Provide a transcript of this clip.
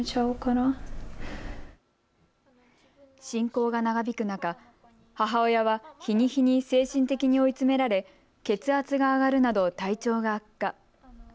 侵攻が長引く中、母親は日に日に精神的に追い詰められ血圧が上がるなど体調が悪化。